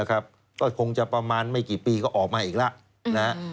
ก็คงจะประมาณไม่กี่ปีก็ออกมาอีกแล้ว